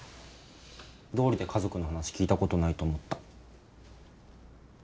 どうりで家族の話聞いたことないと思った。